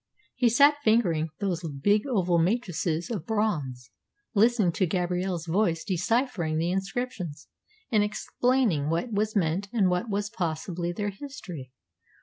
He sat fingering those big oval matrices of bronze, listening to Gabrielle's voice deciphering the inscriptions, and explaining what was meant and what was possibly their history.